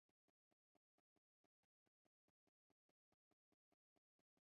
"Ĉu vi eĉ mortigas homojn?"